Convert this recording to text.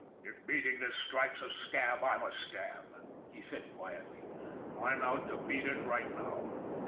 "If beating this strike's a scab, I'm a scab," he said quietly. " I'm out to beat it right now